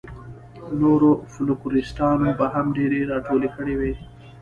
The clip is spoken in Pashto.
نورو فوکلوریسټانو به هم ډېرې راټولې کړې وي.